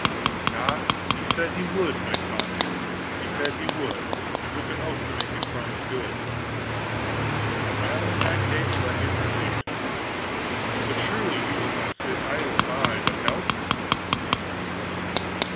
"Ah, he said he would, my son, he said he would, and took oath to make his promise good." "Well, in that case, let him proceed." "But surely you will not sit idle by, but help?"